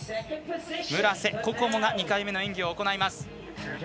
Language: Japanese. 村瀬心椛が２回目の演技を行います。